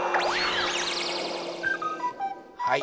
はい！